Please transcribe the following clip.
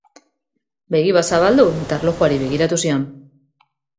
Begi bat zabaldu eta erlojuari begiratu zion.